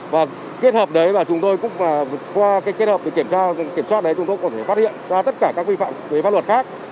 và kết hợp đấy và chúng tôi cũng qua cái kết hợp kiểm soát đấy chúng tôi có thể phát hiện ra tất cả các vi phạm về pháp luật khác